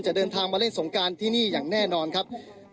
เดินทางมาเล่นสงการที่นี่อย่างแน่นอนครับ